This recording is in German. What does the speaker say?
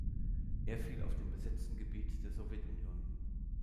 Er fiel auf dem besetzten Gebiet der Sowjetunion.